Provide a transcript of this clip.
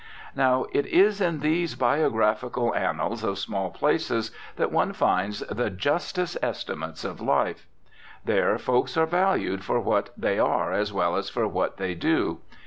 Now, it is in these biographical annals of small places that one finds the justest estimates of life. There folks are valued for what they are as well as for what they do.